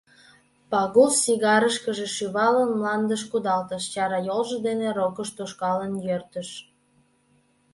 Пагул, сигаркышкыже шӱвалын, мландыш кудалтыш, чара йолжо дене рокыш тошкалын йӧртыш.